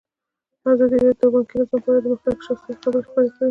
ازادي راډیو د بانکي نظام په اړه د مخکښو شخصیتونو خبرې خپرې کړي.